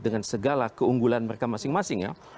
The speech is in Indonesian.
dengan segala keunggulan mereka masing masing ya